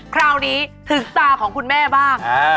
คราวนี้ถึงตาของคุณแม่บ้าง